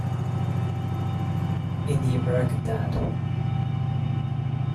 In the American Dad!